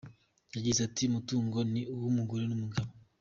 Yagize ati “Umutungo ni uw’umugore n’umugabo.